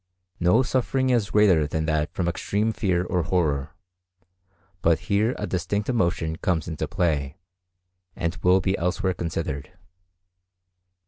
No suffering is greater than that from extreme fear or horror, but here a distinct emotion comes into play, and will be elsewhere considered.